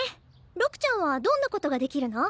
六ちゃんはどんなことができるの？